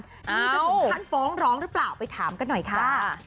มีจะถึงขั้นฟ้องร้องหรือเปล่าไปถามกันหน่อยจ้า